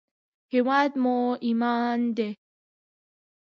هېواد مو ایمان دی